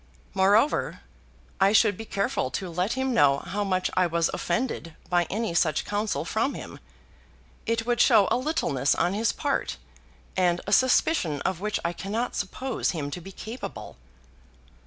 Moreover, I should be careful to let him know how much I was offended by any such counsel from him. It would show a littleness on his part, and a suspicion of which I cannot suppose him to be capable."